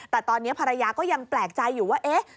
แต่ตอนนี้ภรรยาก็ยังแปลกใจอยู่ว่าเอ๊ะ